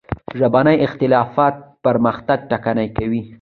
ژبني اختلافات پرمختګ ټکنی کوي.